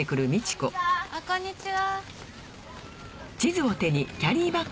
こんにちは。